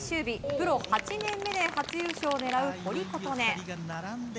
プロ８年目で初優勝を狙う堀琴音。